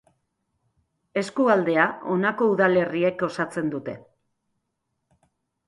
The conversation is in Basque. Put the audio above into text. Eskualdea honako udalerriek osatzen dute.